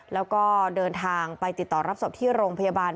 แล้วก็เดินทางไปติดต่อรับศพที่โรงพยาบาล